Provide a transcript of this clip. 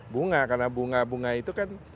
bunga karena bunga bunga itu kan